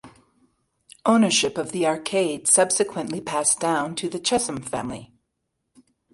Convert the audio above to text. Ownership of the arcade subsequently passed down to the Chesham family.